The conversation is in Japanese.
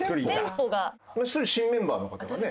１人新メンバーの方がね。